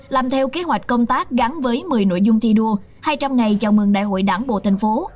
làm theo kế hoạch công tác gắn với một mươi nội dung thi đua hai trăm linh ngày chào mừng đại hội đảng bộ thành phố